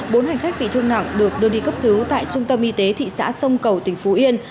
bốn hành khách bị thương nặng được đưa đi cấp cứu tại trung tâm y tế thị xã sông cầu tỉnh phú yên